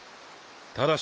ただし。